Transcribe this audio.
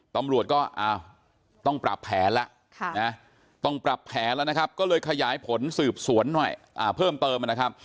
ตำรวจก็ต้องปรับแผลละก็เลยขยายผลสืบสวนหน่อยเพิ่มเติม